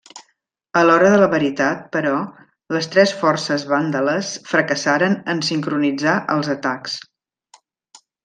A l'hora de la veritat, però, les tres forces vàndales fracassaren en sincronitzar els atacs.